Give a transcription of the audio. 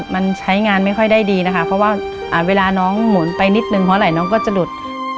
มันใช้งานไม่ค่อยได้ดีนะคะเพราะว่าเวลาน้องหมุนไปนิดนึงเพราะอะไรน้องก็จะหลุด